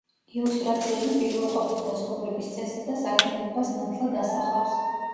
ილუსტრაციები პირველყოფილთა ცხოვრების წესსა და საქმიანობას ნათლად ასახავს.